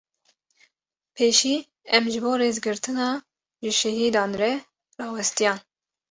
Pêşî em ji bo rêzgirtina ji şehîdan re rawestiyan.